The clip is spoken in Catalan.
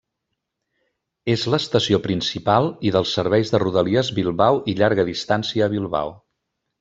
És l'estació principal i dels serveis de Rodalies Bilbao i Llarga Distància a Bilbao.